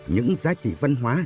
những giá trị văn hóa